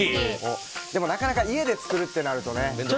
なかなか家で作るってなるとね。